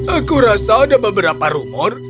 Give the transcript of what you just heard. aku rasa ada beberapa rumor